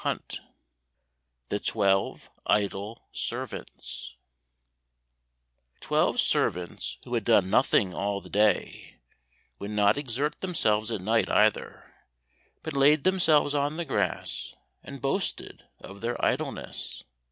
151* The Twelve Idle Servants Twelve servants who had done nothing all the day would not exert themselves at night either, but laid themselves on the grass and boasted of their idleness.